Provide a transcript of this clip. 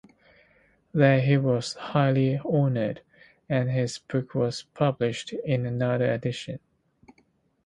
There he was highly honored, and his book was published in another edition.